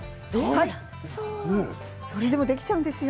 それでもできちゃうんですよ。